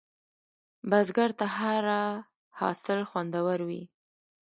بزګر ته هره حاصل خوندور وي